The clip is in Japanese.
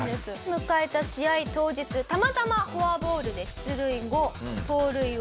迎えた試合当日たまたまフォアボールで出塁後盗塁を試みます。